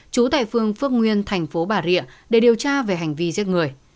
trú tại phương phước nguyên thành phố bà rịa để điều tra về hành vi giết người